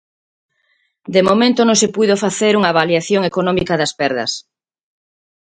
De momento non se puido facer unha avaliación económica das perdas.